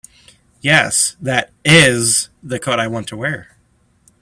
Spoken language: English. Yes, that IS the coat I want to wear.